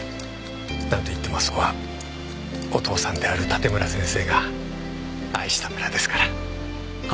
なんといってもあそこはお父さんである盾村先生が愛した村ですから。